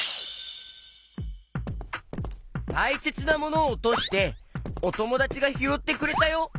たいせつなものをおとしておともだちがひろってくれたよ。